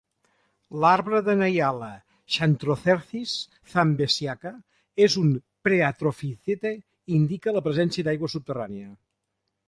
L'arbre de Nyala "Xanthocercis zambesiaca" és un "phreatophyte" - indica la presència d'aigua subterrània.